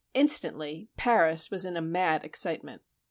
Instantly, Paris was in a mad excitement.